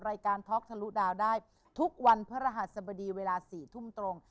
ท็อกทะลุดาวได้ทุกวันพระรหัสบดีเวลา๔ทุ่มตรง